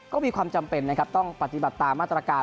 ก็มีความจำเป็นนะครับต้องปฏิบัติตามมาตรการ